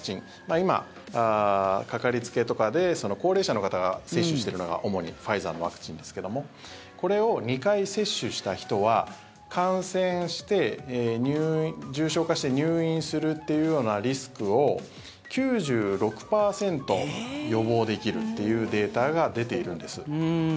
今、かかりつけとかで高齢者の方が接種してるのが主にファイザーのワクチンですけどもこれを２回接種した人は感染して重症化して入院するというようなリスクを９６％予防できるというデータが出ているんです。